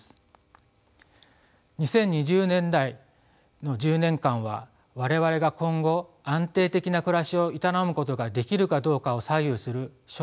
２０２０年代の１０年間は我々が今後安定的な暮らしを営むことができるかどうかを左右する正念場となります。